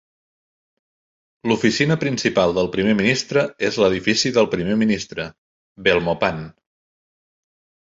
L'oficina principal del primer ministre és l'edifici del primer ministre, Belmopan.